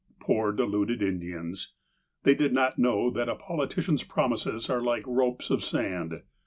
Poor, deluded Indians ! They did not know that a politician's promises are like ropes of sand.